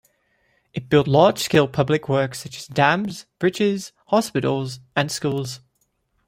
It built large-scale public works such as dams, bridges, hospitals, and schools.